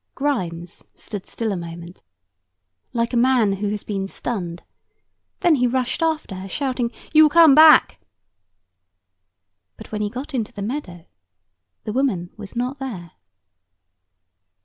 Grimes stood still a moment, like a man who had been stunned. Then he rushed after her, shouting, "You come back." But when he got into the meadow, the woman was not there.